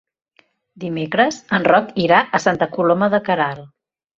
Dimecres en Roc irà a Santa Coloma de Queralt.